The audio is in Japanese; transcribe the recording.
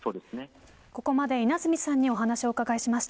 ここまで稲積さんにお話をお伺いしました。